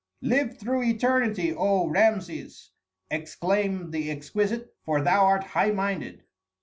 "Live through eternity, O Rameses!" exclaimed the exquisite, "for thou art high minded."